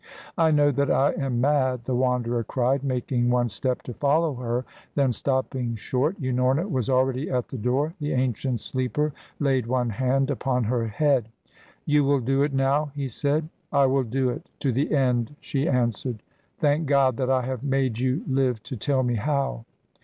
"I know that I am mad," the Wanderer cried, making one step to follow her, then stopping short. Unorna was already at the door. The ancient sleeper laid one hand upon her head. "You will do it now," he said. "I will do it to the end," she answered. "Thank God that I have made you live to tell me how."